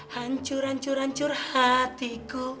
hancur hancur hancur hatiku